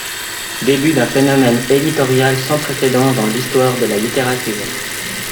Début d’un phénomène éditorial sans précédent dans l’histoire de la littérature.